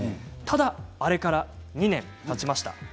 ただ、あれから２年たちました。